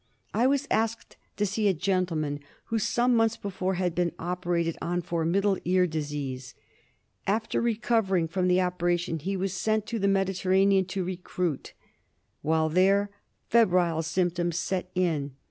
I was asked to see a gentleman who some months before had been operated on for middle ear disease. After recovering from the operation he was sent to the Mediter ranean to recruit. While there febrile symptoms set in.